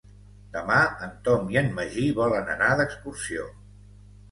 Demà en Tom i en Magí volen anar d'excursió.